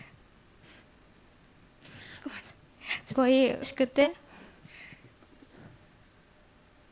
すごいうれしくて。